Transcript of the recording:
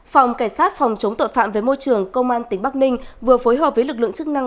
phòng cảnh sát phòng chống tội phạm về môi trường công an tỉnh bắc ninh vừa phối hợp với lực lượng chức năng